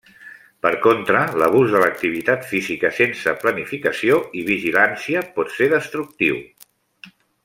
Per contra, l'abús de l'activitat física sense planificació i vigilància pot ser destructiu.